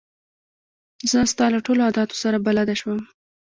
زه ستا له ټولو عادتو سره بلده شوم.